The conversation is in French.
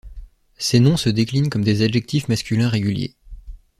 Ces noms se déclinent comme des adjectifs masculins réguliers.